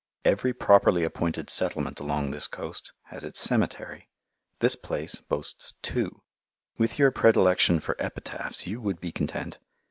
Every properly appointed settlement along this coast has its cemetery. This place boasts two. With your predilection for epitaphs you would be content.